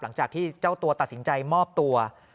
หลังจากที่เจ้าตัวตัดสินใจมอบตัว